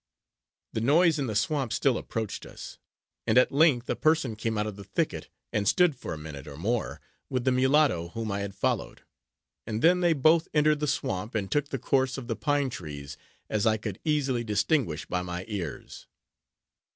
The noise in the swamp still approached us; and at length a person came out of the thicket, and stood for a minute, or more, with the mulatto whom I had followed; and then they both entered the swamp, and took the course of the pine trees, as I could easily distinguish by my ears.